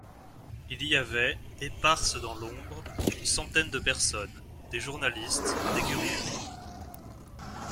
Il y avait, éparses dans l'ombre, une centaine de personnes, des journalistes, des curieux.